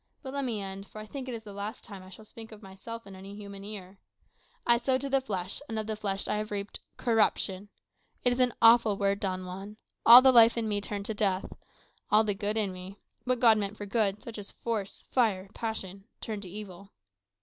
But let me end; for I think it is the last time I shall speak of myself in any human ear. I sowed to the flesh, and of the flesh I have reaped corruption. It is an awful word, Don Juan. All the life in me turned to death; all the good in me (what God meant for good, such as force, fire, passion) turned to evil.